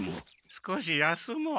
少し休もう。